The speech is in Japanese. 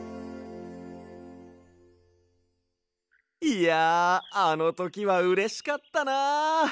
いやあのときはうれしかったな。